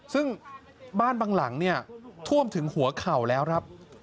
ซึ่งบ้านบางหลังเนี่ยท่วมถึงหัวเข่าแล้วครับ